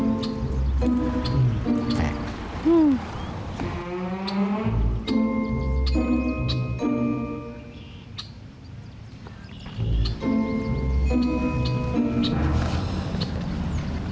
แฟน